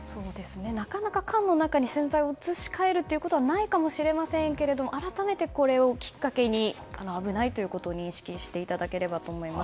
なかなか缶の中に洗剤を移し替えることはないかもしれませんが改めてこれをきっかけに危ないということを認識していただければと思います。